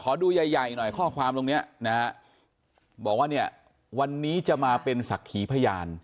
ขอดูใหญ่ข้อความลงเนี้ยนะบอกว่าเนี่ยวันนี้จะมาเป็นศักดิ์ขี้พญาน